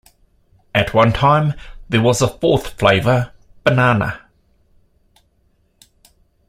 At one time, there was a fourth flavor, banana.